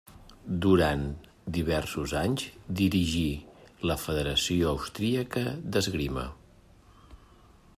Durant diversos anys dirigí la Federació Austríaca d'Esgrima.